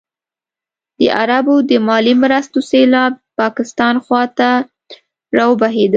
د عربو د مالي مرستو سېلاب پاکستان خوا ته راوبهېده.